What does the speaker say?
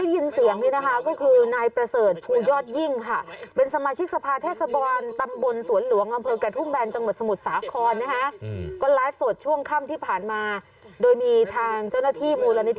โอ้โหเด็กหน้าตาปุดบวมขนาดนี้เขาจะเจ็บขนาดไหนคุณผู้ชม